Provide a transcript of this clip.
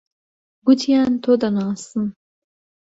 گوتیان تۆ دەناسن.